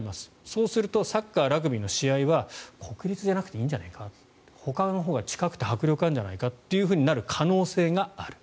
そうするとサッカー、ラグビーの試合は国立じゃなくていいんじゃないかほかのほうが近くて迫力があるんじゃないかっていうふうになる可能性がある。